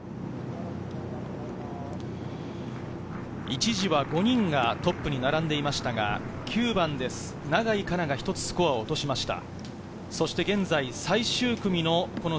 一時は５人がトップに並んでいましたが、９番で永井花奈が一つスコアを落としました。